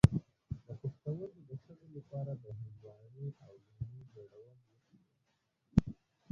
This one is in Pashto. د پښتورګو د شګو لپاره د هندواڼې او لیمو ګډول وڅښئ